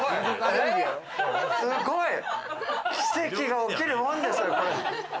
すごい！奇跡が起きるもんですよ。